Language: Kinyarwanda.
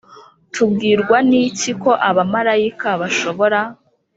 Tubwirwa n iki ko abamarayika bashobora